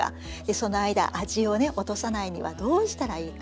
その間味を落とさないにはどうしたらいいか？